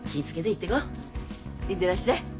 行ってらっしゃい。